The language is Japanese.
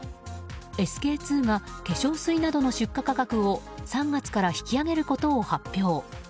ＳＫ‐２が化粧水などの出荷価格を３月から引き上げることを発表。